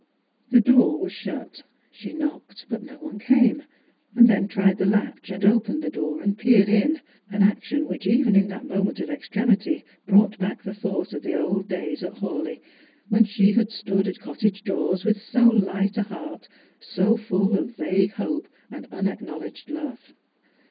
The door was shut. She knocked, but no one came ; then tried the latch, and opened the door and peered in, an action which even in that moment of extremity brought back the thought of the old days at Hawleigh, when she had stood at cottage doors with so hght a heart, so full of vague hope and unacknowledged love.